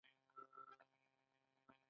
د دوی د مینې کیسه د خزان په څېر تلله.